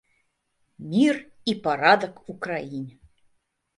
Мір і парадак у краіне.